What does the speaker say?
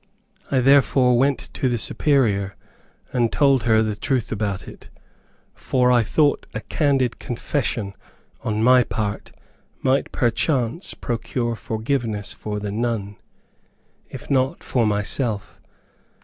I therefore went to the Superior and told her the truth about it, for I thought a candid confession on my part might, perchance, procure forgiveness for the nun, if not for myself.